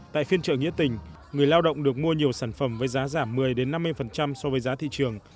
tại phiên trợ nghĩa tình người lao động được mua nhiều sản phẩm với giá giảm một mươi năm mươi so với giá thị trường